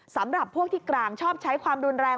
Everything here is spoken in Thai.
สำหรับพวกที่กลางชอบใช้ความรุนแรง